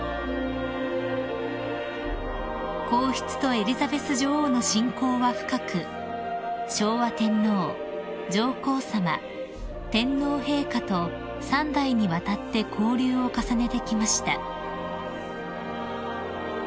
［皇室とエリザベス女王の親交は深く昭和天皇上皇さま天皇陛下と三代にわたって交流を重ねてきました］